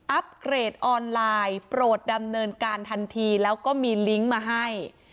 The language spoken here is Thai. อัปเกรดออนไลน์โปรดดำเนินการทันทีแล้วก็มีลิงก์มาให้